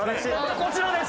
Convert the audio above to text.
こちらです！